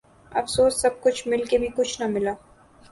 افسوس سب کچھ مل کے کچھ بھی ناں ملا